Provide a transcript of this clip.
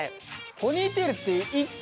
ポニーテールって１個？